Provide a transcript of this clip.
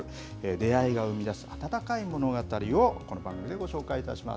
出会いが生み出す温かい物語をこの番組でご紹介いたします。